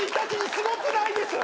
すごくないです？